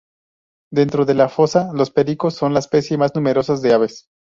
Dentro de la fosa, los pericos son la especie más numerosa de aves.